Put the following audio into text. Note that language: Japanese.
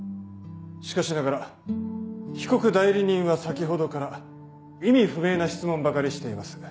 しかしながら被告代理人は先ほどから意味不明な質問ばかりしています。